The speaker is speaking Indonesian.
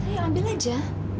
ya ambil aja